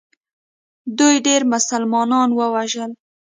دوی ډېر مسلمانان ووژل.